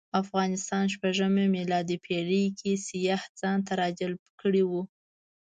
افغانستان شپږمه میلادي پېړۍ کې سیاح ځانته راجلب کړی و.